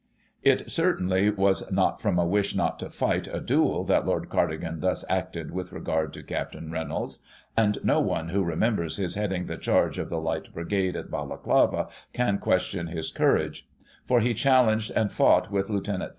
It certainly was not from a wish not to fight a duel that Lord Cardigan thus acted with regard to Capt. Reynolds (and no one who remembers his heading the charge of the Light Brigade at Balaclava, can question his courage), for he challenged and fought with Lieut.